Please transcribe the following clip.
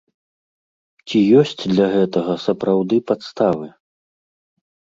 Ці ёсць для гэтага сапраўды падставы?